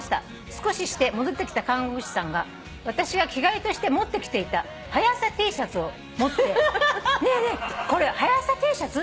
「少しして戻ってきた看護師さんが私が着替えとして持ってきていたはや朝Ｔシャツを持って『ねえねえこれはや朝Ｔシャツ？